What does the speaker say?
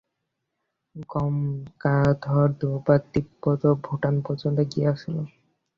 গঙ্গাধর দুইবার তিব্বত ও ভূটান পর্যন্ত গিয়াছিল।